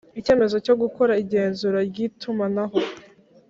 Icyemezo cyo gukora igenzura ry itumanaho